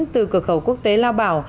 từ cửa khẩu quốc tế lao bảo